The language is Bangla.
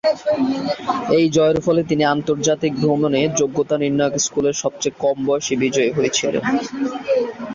এই জয়ের ফলে তিনি আন্তর্জাতিক ভ্রমণে যোগ্যতা নির্ণায়ক স্কুলের সবচেয়ে কম বয়সী বিজয়ী হয়েছিলেন।